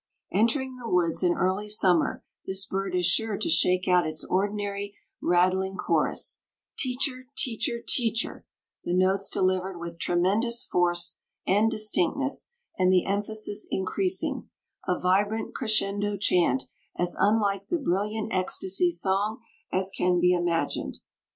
Entering the woods in early summer this bird is sure to shake out its ordinary, rattling chorus "Teacher, Teacher, TEACHER," the notes delivered with tremendous force and distinctness and the emphasis increasing a vibrant, crescendo chant as unlike the brilliant ecstasy song as can be imagined.